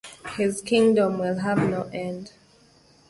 and his kingdom will have no end.